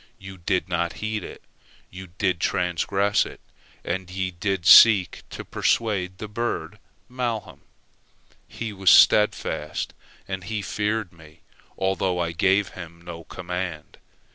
Ye did not heed it; ye did transgress it, and ye did seek to persuade the bird malham. He was steadfast, and he feared Me, although I gave him no command.